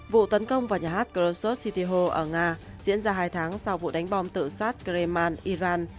vụ tấn công vào nhà hát krosos city hall ở nga diễn ra hai tháng sau vụ đánh bom tự sát kreman iran